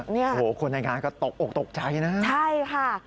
นี่ครับโหคนในการก็ตกออกตกใจนะครับใช่ค่ะ